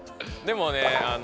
でもね